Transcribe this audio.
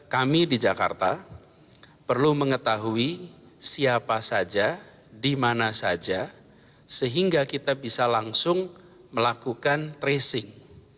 kami di jakarta perlu mengetahui siapa saja di mana saja sehingga kita bisa langsung melakukan tracing